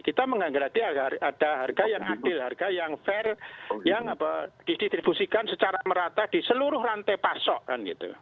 kita menganggarkan ada harga yang adil harga yang fair yang di distribusikan secara merata di seluruh rantai pasokan gitu